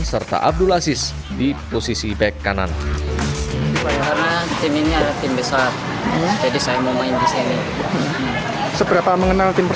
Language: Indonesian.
serta abdul aziz di posisi back kanan